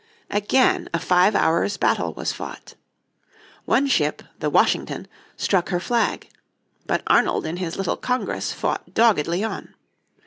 Again a five hours' battle was fought. One ship, the Washington, struck her flag. But Arnold in his little Congress fought doggedly on.